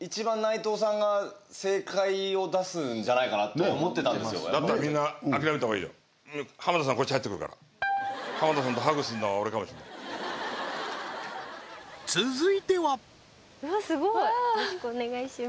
一番内藤さんが正解を出すんじゃないかなと思ってたんですよだったらみんな諦めたほうがいいよ浜田さんとハグするのは俺かもしれない続いてはうわすごいよろしくお願いします